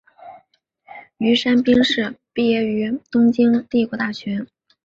宇山兵士毕业于东京帝国大学。